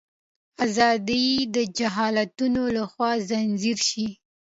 ازادي د جهالتونو لخوا ځنځیر شي.